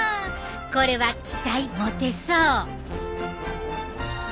これは期待持てそう。